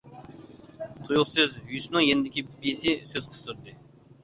تۇيۇقسىز يۈسۈپنىڭ يېنىدىكى بىسى سۆز قىستۇردى.